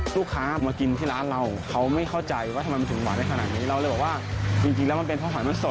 ลูกค้ามากินที่ร้านเราเขาไม่เข้าใจว่าทำไมมันถึงหวานได้ขนาดนี้เราเลยบอกว่าจริงแล้วมันเป็นเพราะหอยมันสด